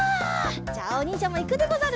じゃあおにんじゃもいくでござる。